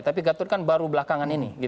tapi gatot kan baru belakangan ini